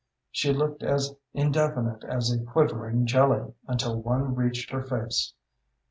She looked as indefinite as a quivering jelly until one reached her face.